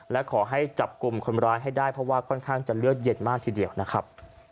และขอให้จับกลุ่มคนร้ายให้ได้เพราะว่าค่อนข้างจะเลือดเย็นมากทีเดียวนะครับ